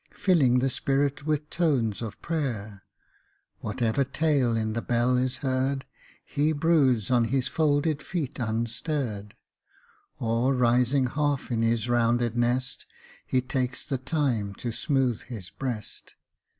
Filling the spirit with tones of prayer Whatever tale in the bell is heard, lie broods on his folded feet unstirr'd, Oi, rising half in his rounded nest. He takes the time to smooth his breast.